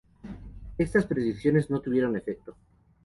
Estas peticiones no tuvieron efecto.